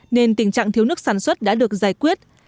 nên tình trạng thiếu nước sản xuất đã được giải quyết